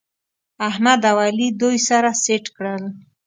احمد او علي دوی سره سټ کړل